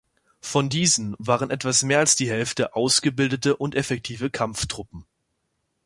Von diesen waren etwas mehr als die Hälfte ausgebildete und effektive Kampftruppen.